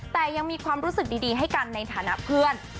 แต่ยังมีความรู้สึกดีให้กันในฐานะเพื่อน